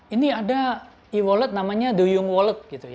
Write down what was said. ini ada e wallet namanya duyung wallet